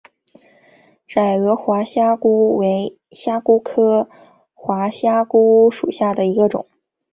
窄额滑虾蛄为虾蛄科滑虾蛄属下的一个种。